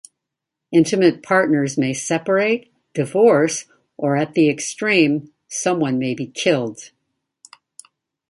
Intimate partners may separate, divorce or, at the extreme, someone may be killed.